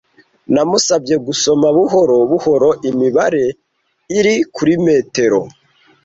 Namusabye gusoma buhoro buhoro imibare iri kuri metero.